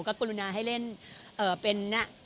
ก็กรุณาให้เล่น